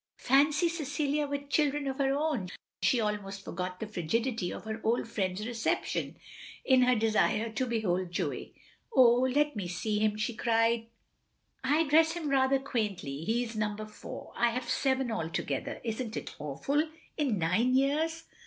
Fancy Cecilia with children of her own! She almost forgot the frigidity of her old friend's reception in her desire to behold Joey. " Oh, let me see him, " she cried. "I dress him rather quaintly. He is number four. I have seven altogether, is n't it awful — in nine years?"